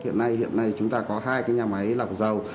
hiện nay chúng ta có hai cái nhà máy lọc dầu